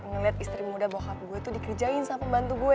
ngeliat istri muda bokap gue tuh dikerjain sama bantu gue